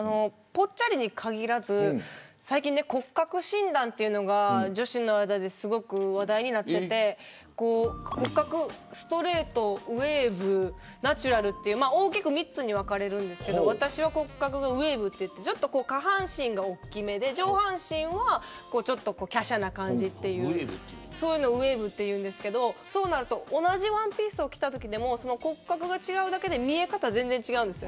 ぽっちゃりに限らず最近は骨格診断というのが女子の間ですごく話題になっていて骨格ストレート、ウェーブナチュラルという大きく３つに分かれるんですけど私はウェーブという下半身が大きめで、上半身はきゃしゃな感じというそういうのをウェーブというんですけど同じワンピースを着たときでも骨格が違うだけで見え方全然違うんです。